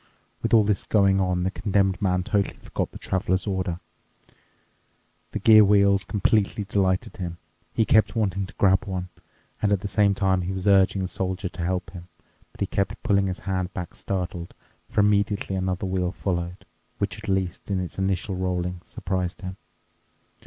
With all this going on, the Condemned Man totally forgot the Traveler's order. The gear wheels completely delighted him. He kept wanting to grab one, and at the same time he was urging the Soldier to help him. But he kept pulling his hand back startled, for immediately another wheel followed, which, at least in its initial rolling, surprised him.